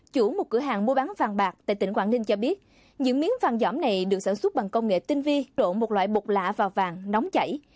chủ một cửa hàng mua bán vàng bạc tại tỉnh quảng ninh cho biết những miếng vàng giỏm này được sản xuất bằng công nghệ tinh vi trộn một loại bột lạ vào vàng nóng chảy